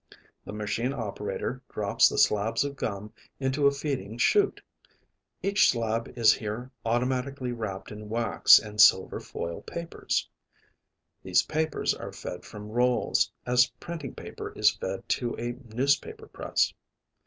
The machine operator drops the slabs of gum into a feeding chute. Each slab is here automatically wrapped in wax and silver foil papers. These papers are fed from rolls, as printing paper is fed to a newspaper press.